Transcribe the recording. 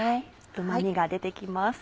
うま味が出て来ます。